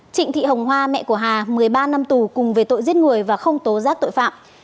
trịnh thị hồng hoa mẹ của hà một mươi ba năm tù cùng về tội giết người và không tố giác tội phạm